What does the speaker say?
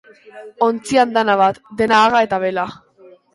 Ontzi andana bat, dena haga eta bela.